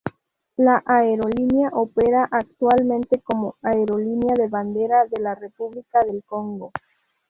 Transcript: La aerolínea opera actualmente como aerolínea de bandera de la República del Congo.